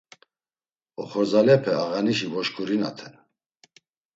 Oxorzalepe ağanişi voşǩurinaten.